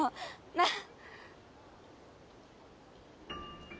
なっ？